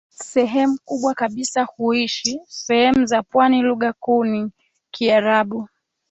Sehemu kubwa kabisa huishi sehemu za pwani Lugha kuu ni Kiarabu